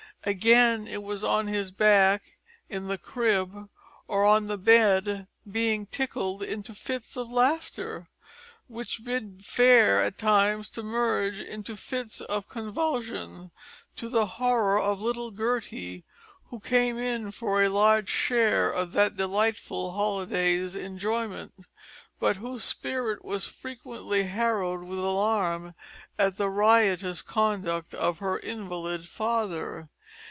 Again it was on its back in the crib or on the bed being tickled into fits of laughter, which bid fair at times to merge into fits of convulsion, to the horror of little Gertie, who came in for a large share of that delightful holiday's enjoyment, but whose spirit was frequently harrowed with alarm at the riotous conduct of her invalid father.